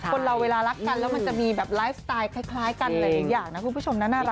คนเราเวลารักกันแล้วมันจะมีแบบไลฟ์สไตล์คล้ายกันหลายอย่างนะคุณผู้ชมน่ารัก